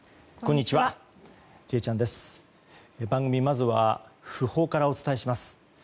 まずは訃報からお伝えします。